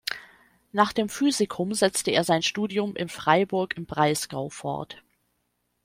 Nach dem Physikum setzte er sein Studium in Freiburg im Breisgau fort.